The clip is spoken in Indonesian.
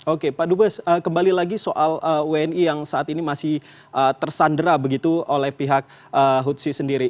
oke pak dubes kembali lagi soal wni yang saat ini masih tersandera begitu oleh pihak hutsi sendiri